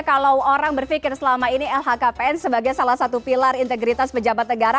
kalau orang berpikir selama ini lhkpn sebagai salah satu pilar integritas pejabat negara